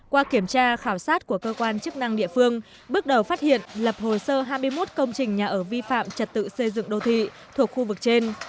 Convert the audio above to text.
qua kiểm tra khảo sát của cơ quan chức năng địa phương bước đầu phát hiện lập hồ sơ hai mươi một công trình nhà ở vi phạm trật tự xây dựng đô thị thuộc khu vực trên